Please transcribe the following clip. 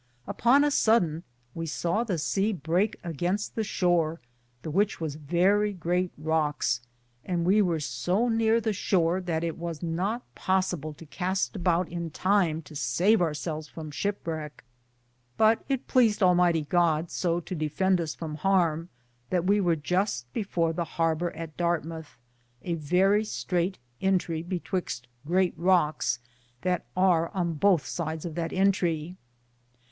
Upon a sodon we saw the seae breake a gainste the shore, the which was verrie greate Rockes, and we weare so neare the shore that it was not possible to caste aboute in time to save ourselves from shipwracke, but it pleased almyghtie God so to defend us from harme that we weare juste befor the harbur at Dartmouthe, a verrie straite entrie betwyxte greate Rockes that ar on bothe sides of that entrie.